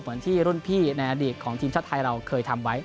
เหมือนที่รุ่นพี่ในอดีตของทีมชาติไทยเราเคยทำไว้